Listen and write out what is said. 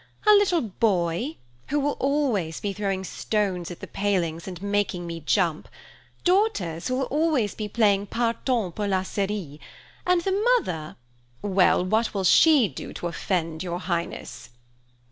a little boy, who will always be throwing stones at the palings and making me jump; daughters who will always be playing Partant pour la Syrie; and the mother–" "Well, what will she do to offend your Highness?"